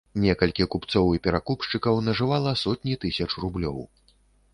Некалькі купцоў і перакупшчыкаў нажывала сотні тысяч рублёў.